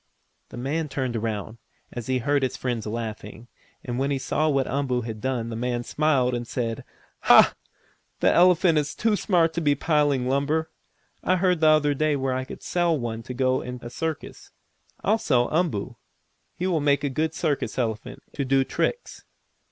The man turned around, as he heard his friends laughing, and when he saw what Umboo had done the man smiled and said: "Ha! That elephant is too smart to be piling lumber. I heard the other day where I could sell one to go in a circus. I'll sell Umboo! He will make a good circus elephant, to do tricks."